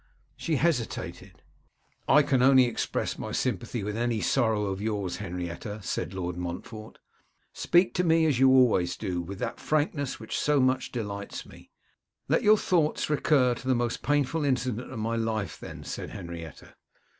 She hesitated. 'I can only express my sympathy with any sorrow of yours, Henrietta,' said Lord Montfort. 'Speak to me as you always do, with that frankness which so much delights me.' 'Let your thoughts recur to the most painful incident of my life, then,' said Henrietta.